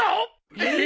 えっ！？